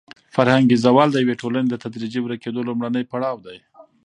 فرهنګي زوال د یوې ټولنې د تدریجي ورکېدو لومړنی پړاو دی.